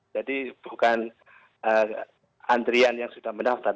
jadi bukan antrian yang sudah mendaftar